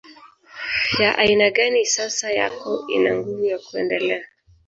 ya aina gani sasa yako ina nguvu ya kuendelea